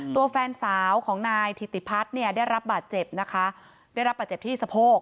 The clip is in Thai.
ตัวแฟนสาวของนายถิติพัฒน์เนี่ยได้รับบาดเจ็บนะคะได้รับบาดเจ็บที่สะโพก